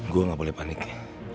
saya tidak boleh paniknya